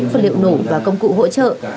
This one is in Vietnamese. vật liệu nổ và công cụ hỗ trợ